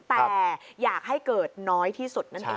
แต่อยากให้เกิดน้อยที่สุดนั่นเอง